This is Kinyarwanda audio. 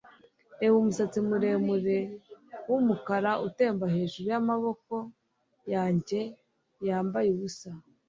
reba umusatsi muremure wumukara utemba hejuru yamaboko yanjye yambaye ubusa